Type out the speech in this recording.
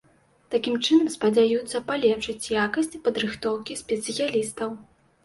Такім чынам спадзяюцца палепшыць якасць падрыхтоўкі спецыялістаў.